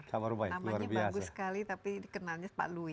namanya bagus sekali tapi dikenalnya pak louis